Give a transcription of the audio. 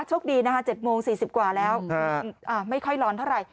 โชคดีนะคะ๗โมง๔๐กว่าแล้วไม่ค่อยร้อนเท่าไหร่